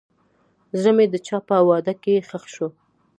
زړه مې د چا په وعدو کې ښخ شو.